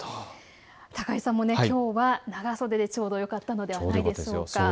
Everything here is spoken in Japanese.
高井さんも、きょうは長袖でちょうどよかったのではないでしょうか。